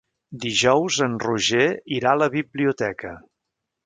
Dijous en Roger irà a la biblioteca.